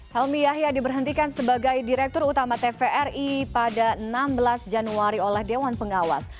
helmi yahya diberhentikan sebagai direktur utama tvri pada enam belas januari oleh dewan pengawas